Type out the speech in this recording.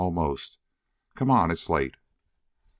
"Almost. Come on. It's late."